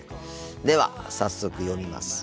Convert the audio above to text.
では早速読みます。